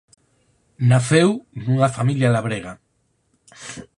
Naceu nunha familia labrega.